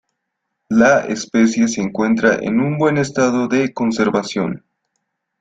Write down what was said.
La especie se encuentra en un buen estado de conservación.